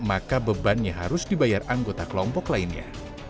maka bebannya harus dibayar anggota kelompok lainnya